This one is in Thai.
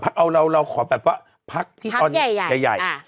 พักเอาเราเราขอแบบว่าพักที่สำนวนใหญ่